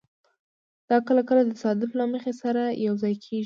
دا کله کله د تصادف له مخې سره یوځای کېږي.